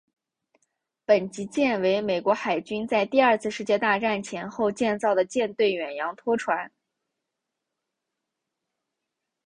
本级舰为美国海军在第二次世界大战前后建造的舰队远洋拖船。